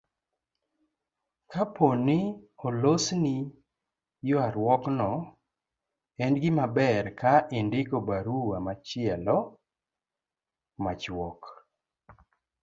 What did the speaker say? Kapo ni olosni ywaruokno, en gimaber ka indiko barua machielo machuok